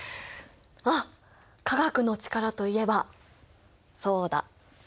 あっ化学の力といえばそうだ。